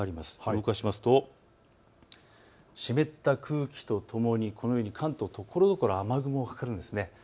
動かしますと湿った空気とともに関東ところどころ、雨雲がかかるんですね。